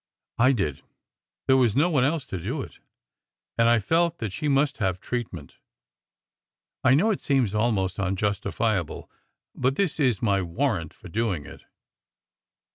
I did. There was no one else to do it, and I felt that she must have treatment. I know it seems almost unjus tifiable, but this is my warrant for doing it."